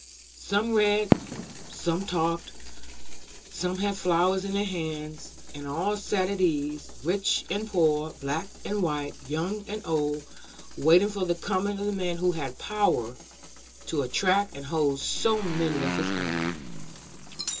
Some read, some talked, some had flowers in their hands, and all sat at ease, rich and poor, black and white, young and old, waiting for the coming of the man who had power to attract and hold so many of his kind.